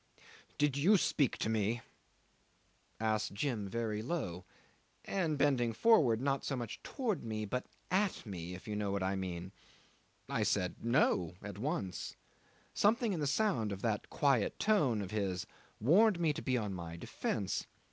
'"Did you speak to me?" asked Jim very low, and bending forward, not so much towards me but at me, if you know what I mean. I said "No" at once. Something in the sound of that quiet tone of his warned me to be on my defence.